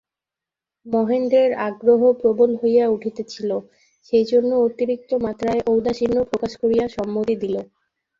মহেন্দ্রের আগ্রহ প্রবল হইয়া উঠিতেছিল–সেইজন্য অতিরিক্ত মাত্রায় ঔদাসীন্য প্রকাশ করিয়া সম্মতি দিল।